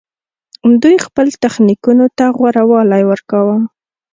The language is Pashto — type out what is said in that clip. دوی خپل تخنیکونو ته غوره والی ورکاوه